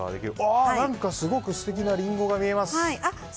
何かすごく素敵なリンゴが見えます！